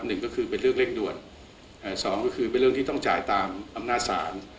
หนึ่งก็คือเป็นเรื่องเร่งด่วนสองก็คือเป็นเรื่องที่ต้องจ่ายตามอำนาจศาล